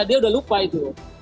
dia sudah lupa itu